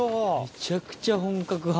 めちゃくちゃ本格派。